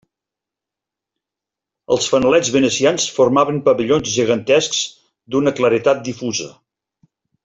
Els fanalets venecians formaven pavellons gegantescs d'una claredat difusa.